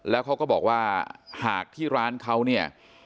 แล้วเขาก็บอกว่าหากที่ร้านเขาเนี่ย